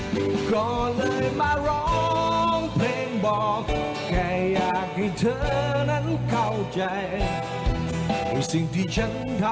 โหเป็นไงนะคะ